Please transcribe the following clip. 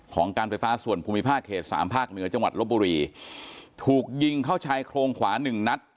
การไฟฟ้าส่วนภูมิภาคเขตสามภาคเหนือจังหวัดลบบุรีถูกยิงเข้าชายโครงขวาหนึ่งนัด